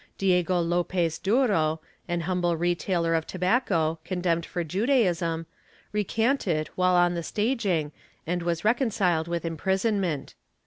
Diego Lopez Duro, an humble retailer of tobacco, condemned for Judaism, recanted while on the staging and was reconciled with imprisonment.